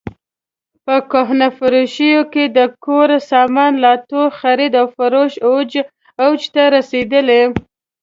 په کهنه فروشیو کې د کور سامان الاتو خرید او فروش اوج ته رسېدلی.